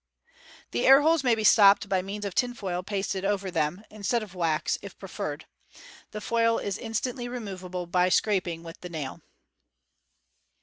The air holes may be stopped by means of tinfoil pasted over them, instead of the wax, if pi ef erred. The foil is instantly removeable by scraping with the nail.